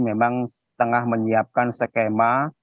memang tengah menyiapkan skema